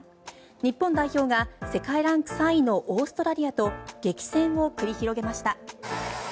日本代表が世界ランク３位のオーストラリアと激戦を繰り広げました。